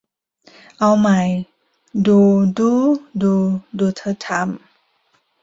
เอาใหม่ ดู ดู๊ ดู ดูเธอทำ